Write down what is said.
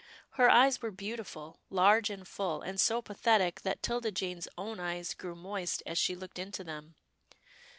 Her eyes were beautiful — large and full, and so pa thetic that 'Tilda Jane's own eyes grew moist as she looked into them.